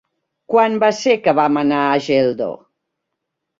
Quan va ser que vam anar a Geldo?